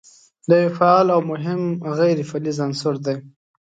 دا یو فعال او مهم غیر فلز عنصر دی.